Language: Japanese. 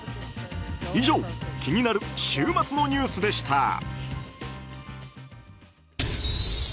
以上気になる週末のニュースでした。